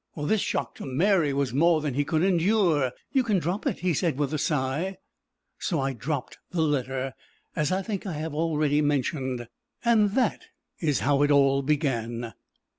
This shock to Mary was more than he could endure. "You can drop it," he said with a sigh. So I dropped the letter, as I think I have already mentioned; and that is how it all began.